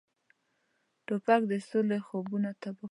توپک د سولې خوبونه تباه کوي.